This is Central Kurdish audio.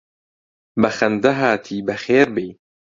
بە خەندە هاتی بەخێر بێی